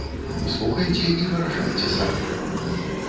Слухайце і вырашайце самі.